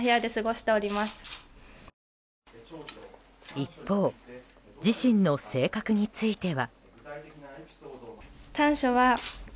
一方自身の性格については。